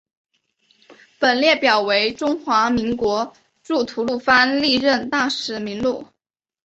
本列表为中华民国驻吐瓦鲁历任大使名录。